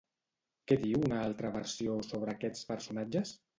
Què diu una altra versió sobre aquests personatges?